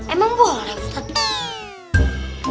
emang boleh ustadz